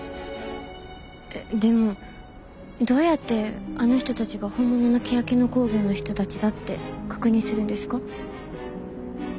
えっでもどうやってあの人たちが本物のけやき野興業の人たちだって確認するんですか？